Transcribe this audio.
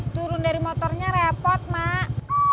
turun dari motornya repot mak